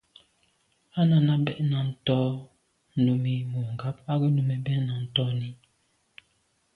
Â Náná bɛ̂n náɁ tɔ́ Númí mû ŋgáp á gə́ Númí bɛ̂n náɁ tɔ́n–í.